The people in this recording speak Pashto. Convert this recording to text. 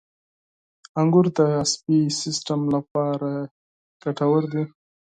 • انګور د عصبي سیستم لپاره ګټور دي.